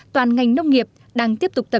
toàn ngành nông nghiệp đang tiếp tục tiến hành